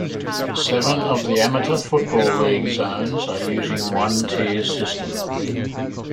Seven of the Amateur Football League zones are using one-tier system.